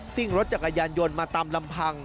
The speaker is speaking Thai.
ซิ่งรถจักรยานยนต์มาตามลำพัง